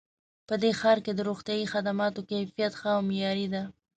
په دې ښار کې د روغتیایي خدماتو کیفیت ښه او معیاري ده